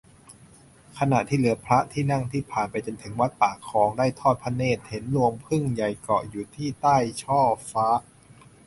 ขณะที่เรือพระที่นั่งผ่านไปถึงวัดปากคลอง ได้ทอดพระเนตรเห็นรวงผึ้งใหญ่เกาะอยู่ที่ใต้ช่อฟ้า